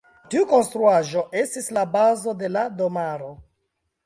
Tiu konstruaĵo estis la bazo de la domaro.